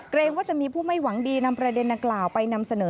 ว่าจะมีผู้ไม่หวังดีนำประเด็นดังกล่าวไปนำเสนอ